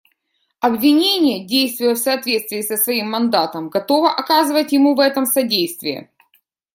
Обвинение, действуя в соответствии со своим мандатом, готово оказывать ему в этом содействие.